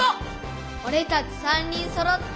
オレたち３人そろって。